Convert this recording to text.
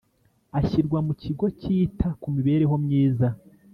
ashyirwa mu kigo cyita ku mibereho myiza.